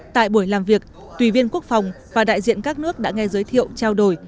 tại buổi làm việc tùy viên quốc phòng và đại diện các nước đã nghe giới thiệu trao đổi